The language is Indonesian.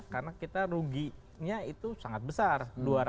karena kita ruginya itu sangat besar